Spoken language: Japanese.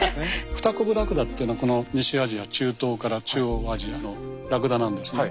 フタコブラクダっていうのはこの西アジア中東から中央アジアのラクダなんですね。